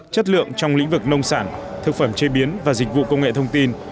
chất lượng trong lĩnh vực nông sản thực phẩm chế biến và dịch vụ công nghệ thông tin